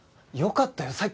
よかったよ！